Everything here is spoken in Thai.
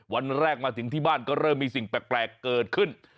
วันแรกมาถึงที่บ้านก็เริ่มมีสิ่งแปลกเกิดขึ้น